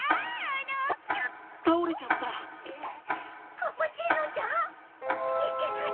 カッパチーノちゃん⁉いけない！